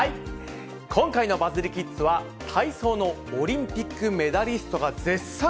今回のバズりキッズは、体操のオリンピックメダリストが絶賛！